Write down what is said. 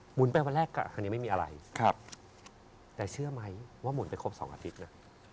หมุนไปวันแรกครั้งนี้ไม่มีอะไรแต่เชื่อไหมว่าหมุนไปครบ๒สัปดาห์อาทิตย์น่ะ